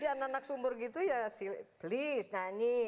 jadi anak anak subur gitu ya please nanyi